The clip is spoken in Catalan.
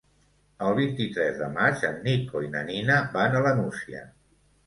El vint-i-tres de maig en Nico i na Nina van a la Nucia.